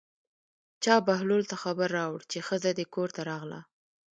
چا بهلول ته خبر راوړ چې ښځه دې کور ته راغله.